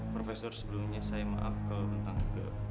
profesor sebelumnya saya maaf kalau tentang keke